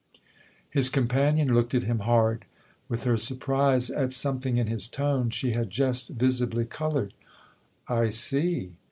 His companion looked at him hard; with her surprise at something in his tone she had just visibly coloured. " I see."